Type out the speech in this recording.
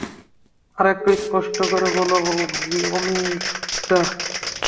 আর-একটু স্পষ্ট করে বলো অমিতদা।